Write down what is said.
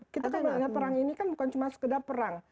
kita kan lihat perang ini bukan cuma sekedar perang